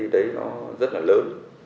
đấy nó rất là lớn